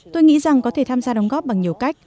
tôi nghĩ rằng có thể tham gia đóng góp bằng nhiều cách